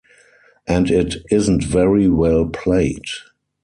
And it isn't very well played.